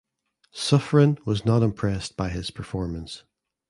Suffren was not impressed by his performance.